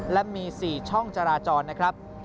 และมี๔ช่องจราจรนะครับ